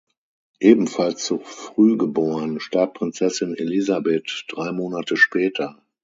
Ebenfalls zu früh geboren, starb Prinzessin Elisabeth drei Monate später.